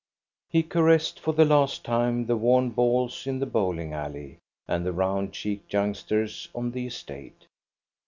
He caressed for the last time the worn balls in the bowling alley and the round cheeked youngsters on the estate.